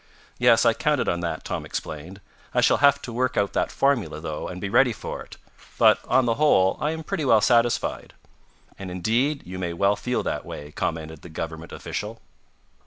"Yes, I counted on that," Tom explained. "I shall have to work out that formula, though, and be ready for it. But, on the whole, I am pretty well satisfied." "And indeed you may well feel that way," commented the government official.